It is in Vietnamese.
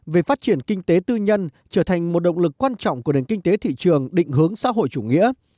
về phát triển kinh tế tư nhân trở thành một động lực quan trọng của nền kinh tế thị trường định hướng xã hội chủ nghĩa